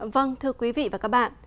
vâng thưa quý vị và các bạn